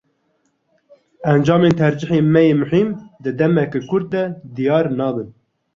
Encamên tercîhên me yên muhîm, di demeke kurt de diyar nabin.